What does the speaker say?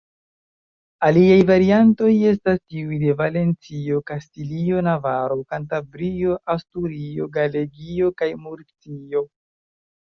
Aliaj variantoj estas tiuj de Valencio, Kastilio, Navaro, Kantabrio, Asturio, Galegio kaj Murcio.